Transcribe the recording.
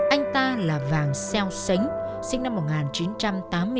anh ta là vàng seo sánh sinh năm một nghìn chín trăm tám mươi ba